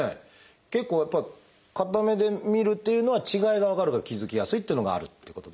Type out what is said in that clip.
結構やっぱり片目で見るっていうのは違いが分かるから気付きやすいっていうのがあるってことですかね。